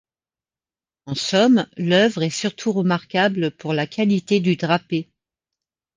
En somme, l'œuvre est surtout remarquable pour la qualité du drapé.